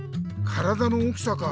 体の大きさか。